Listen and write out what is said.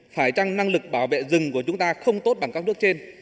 phải chăng năng lực bảo vệ rừng của chúng ta không tốt bằng các nước trên